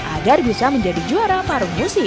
agar bisa menjadi juara paru musim